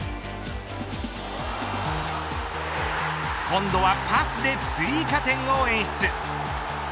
今度はパスで追加点を演出。